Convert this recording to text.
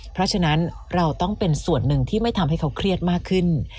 เพราะฉะนั้นเราต้องเป็นส่วนหนึ่งที่ไม่ทำให้เขาเครียดมากขึ้น